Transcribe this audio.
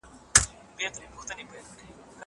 زه اوس د کتابتون کتابونه لوستل کوم!!